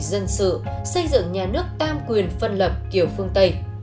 dân sự xây dựng nhà nước tam quyền phân lập kiểu phương tây